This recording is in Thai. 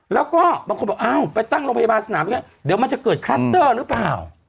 แล้วก็บางคนบอกอ้าวไปตั้งโรงพยาบาลสนามอย่างนี้เดี๋ยวมันจะเกิดคลัสเตอร์หรือเปล่า